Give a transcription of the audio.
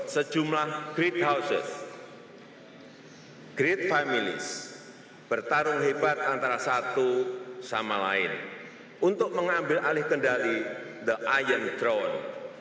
sejumlah great houses great families bertarung hebat antara satu sama lain untuk mengambil alih kendali the iron throne